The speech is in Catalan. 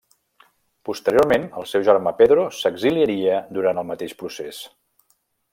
Posteriorment el seu germà Pedro s'exiliaria durant el mateix procés.